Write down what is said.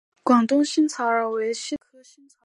广东新耳草为茜草科新耳草属下的一个种。